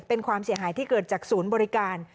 เป็นความเสียหายที่เกิดจากศูนย์บริการ